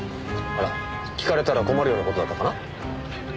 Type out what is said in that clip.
あら聞かれたら困るような事だったかな？